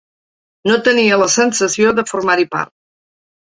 No tenia la sensació de formar-hi part.